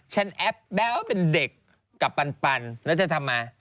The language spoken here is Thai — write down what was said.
ฉันแอบแบ๊วเป็นเด็กกับปันแล้วเธอทำมา